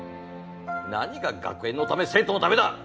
何が学園のため生徒のためだ。